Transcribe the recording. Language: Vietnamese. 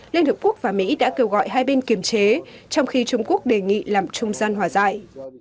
liên hợp quốc và mỹ đã kêu gọi hai bên kiềm chế trong khi trung quốc đề nghị làm trung gian hòa giải